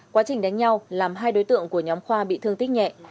quá trình đánh nhau làm hai đối tượng của nhóm khoa bị thương tích nhẹ